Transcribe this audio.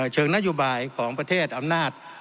เชิงนโยบายของประเทศอำนาจ